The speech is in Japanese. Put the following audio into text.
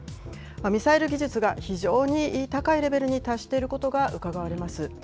ミサイル技術が非常に高いレベルに達していることがうかがわれます。